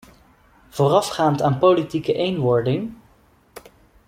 Voorafgaand aan politieke eenwording?